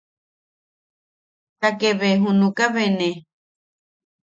Ta ke be junuka be ne.